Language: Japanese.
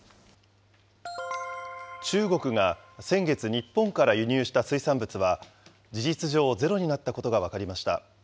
中国が先月、日本から輸入した水産物は、事実上ゼロになったことが分かりました。